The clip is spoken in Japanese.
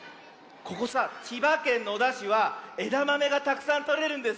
ここさ千葉県野田市はえだまめがたくさんとれるんですってね。